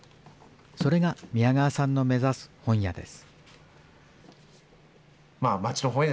それが宮川さんの目指す本屋です。